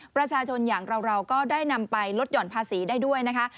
ประชาชนอย่างเราก็ได้นำไปลดหย่อนภาษีได้ด้วยนะคะ